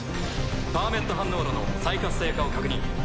パーメット反応炉の再活性化を確認。